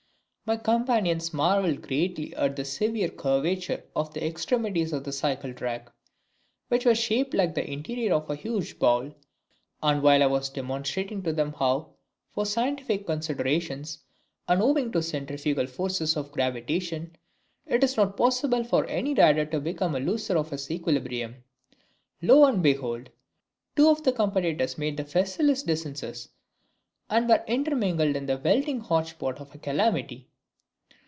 My companions marvelled greatly at the severe curvature of the extremities of the cycle track, which were shaped like the interior of a huge bowl, and while I was demonstrating to them how, from scientific considerations and owing to the centrifugal forces of gravitation, it was not possible for any rider to become a loser of his equilibrium lo and behold! two of the competitors made the facilis descensus, and were intermingled in the weltering hotchpot of a calamity.